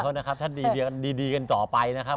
เขานะครับถ้าดีกันต่อไปนะครับ